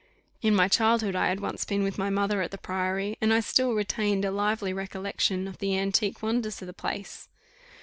In my childhood I had once been with my mother at the Priory, and I still retained a lively recollection of the antique wonders of the place.